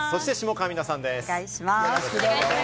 そして、下川美奈さんです。